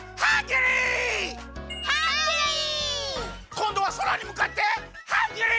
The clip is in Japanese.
こんどはそらにむかってハングリー！